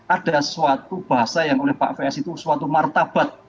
ada suatu bahasa yang oleh pak fs itu suatu martabat